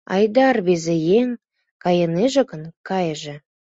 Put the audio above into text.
Айда, рвезе еҥ кайынеже гын, кайыже.